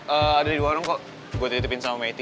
ada di warung kok gue titipin sama meti